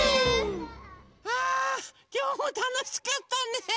あきょうもたのしかったね！